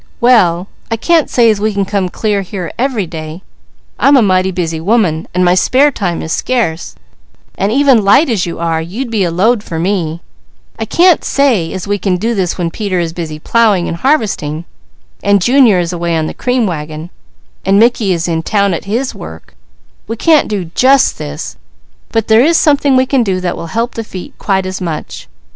"Well I can't say as we can come clear here every day; I'm a busy woman, and my spare time is scarce; and even light as you are, you'd be a load for me; I can't say as we can do this when Peter is busy plowing and harvesting and Junior is away on the cream wagon, and Mickey is in town at his work; we can't do just this; but there is something we can do that will help the feet quite as much.